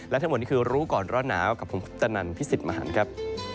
และทั้งหมดนี้คือรู้ก่อนร้อนหนาวกับผมคุปตนันพิสิทธิ์มหันครับ